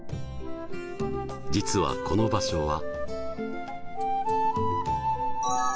実はこの場所は。